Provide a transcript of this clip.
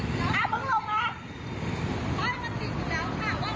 กลับมาเล่าให้ฟังครับ